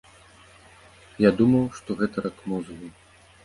Я думаў, што гэта рак мозгу.